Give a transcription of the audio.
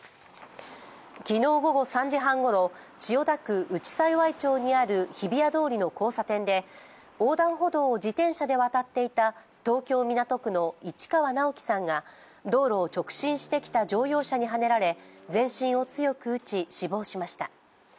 昨日午後３時半ごろ千代田区内幸町にある日比谷通りの交差点で横断歩道を自転車で渡っていた東京・港区の市川直樹さんが道路を直進してきた乗用車にはねられ、全身を強く打ち、死亡しました。